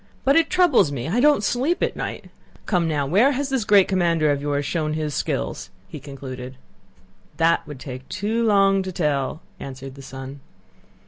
"But it troubles me. I don't sleep at night. Come now, where has this great commander of yours shown his skill?" he concluded. "That would take too long to tell," answered the son.